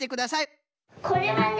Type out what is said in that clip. これはね